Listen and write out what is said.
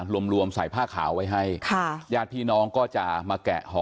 รวมรวมใส่ผ้าขาวไว้ให้ค่ะญาติพี่น้องก็จะมาแกะห่อ